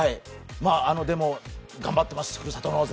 でも頑張ってます、ふるさと納税。